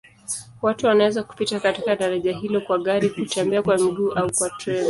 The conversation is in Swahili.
Watu wanaweza kupita katika daraja hilo kwa gari, kutembea kwa miguu au kwa treni.